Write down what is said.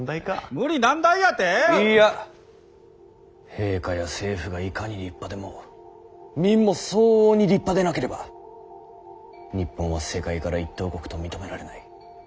陛下や政府がいかに立派でも民も相応に立派でなければ日本は世界から一等国と認められない。